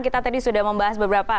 kita tadi sudah membahas beberapa